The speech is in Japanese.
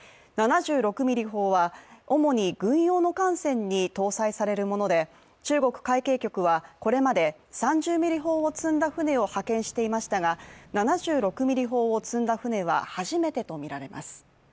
７６ｍｍ砲は、主に軍用の艦船に搭載されるもので中国海警局はこれまで３０ｍｍ砲を積んだ船を派遣していましたが７６ｍｍ砲を積んだ船は初めてとみられます。